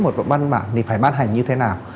thì phải ban hành như thế nào